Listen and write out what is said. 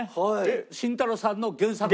慎太郎さんの原作。